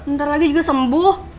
ntar lagi juga sembuh